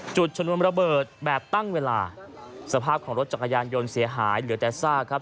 ชนวนระเบิดแบบตั้งเวลาสภาพของรถจักรยานยนต์เสียหายเหลือแต่ซากครับ